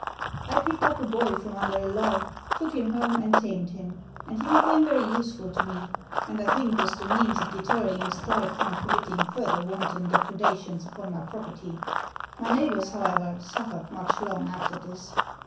I picked up a boy from under a log, took him home and tamed him, and he became very useful to me, and I think was the means of deterring his tribe from committing further wanton depreda tions upon my property; my neighbours, however, suffered much long after this.